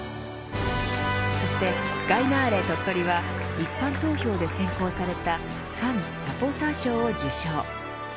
そして、ガイナーレ鳥取は一般投票で選考されたファン・サポーター賞を受賞。